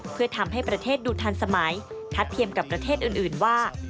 เพื่อทำให้ประเทศดูทันสมัยทัดเทียมกับประเทศอื่นว่า